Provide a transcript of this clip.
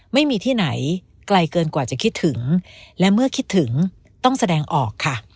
ไม่มีที่ไหนไกลเกินกว่าจะคิดถึงและเมื่อคิดถึงต้องแสดงออกค่ะ